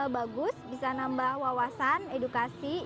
bagus bisa nambah wawasan edukasi